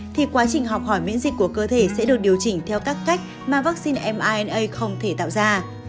thì quá trình học hỏi miễn dịch của cơ thể sẽ được điều chỉnh theo các cách mà vaccine mina không thể tạo ra